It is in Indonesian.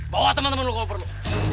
bawa temen temen lo kalo perlu